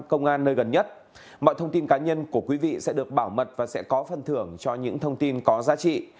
công an nơi gần nhất mọi thông tin cá nhân của quý vị sẽ được bảo mật và sẽ có phần thưởng cho những thông tin có giá trị